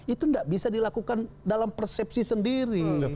itu tidak bisa dilakukan dalam persepsi sendiri